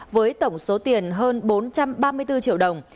với tổng số tiền hơn bốn trăm ba mươi bốn triệu đồng